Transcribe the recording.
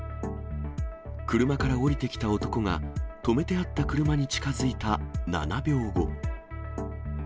車から降りてきた男が、止めてあった車に近づいた７秒後。